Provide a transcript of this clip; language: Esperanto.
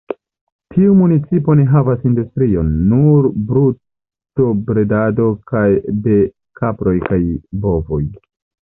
Tiu municipo ne havas industrion, nur brutobredado de kaproj kaj bovoj.